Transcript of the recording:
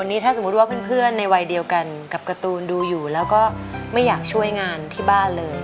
นี่ถ้าสมมุติว่าเพื่อนในวัยเดียวกันกับการ์ตูนดูอยู่แล้วก็ไม่อยากช่วยงานที่บ้านเลย